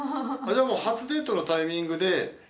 じゃあ初デートのタイミングで。